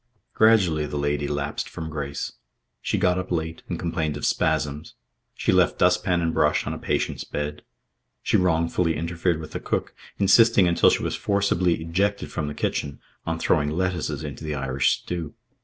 Gradually the lady lapsed from grace. She got up late and complained of spasms. She left dustpan and brush on a patient's bed. She wrongfully interfered with the cook, insisting, until she was forcibly ejected from the kitchen, on throwing lettuces into the Irish stew.